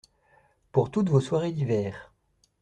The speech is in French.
Pour toutes vos soirées d’hiver !